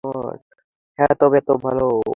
হ্যাঁ, তবে অত ভালোও দেখা যায় না।